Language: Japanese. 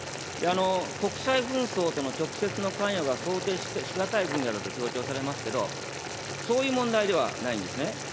国際紛争との直接の関与が想定し難い分野だと強調されますけど、そういう問題ではないんですね。